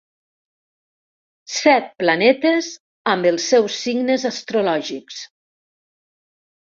Set planetes amb els seus signes astrològics.